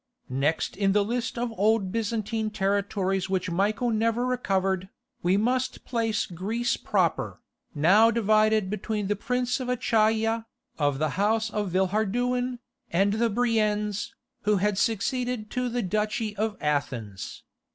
Next in the list of Old Byzantine territories which Michael never recovered, we must place Greece proper, now divided between the Princes of Achaia, of the house of Villehardouin, and the Briennes, who had succeeded to the Duchy of Athens.